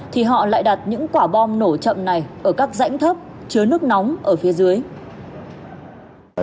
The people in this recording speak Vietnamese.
thì họ lại đặt những quả bom nổ chậm này ở các rãnh thấp chứa nước nóng ở phía dưới